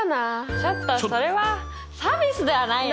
ちょっとそれはサービスではないよね。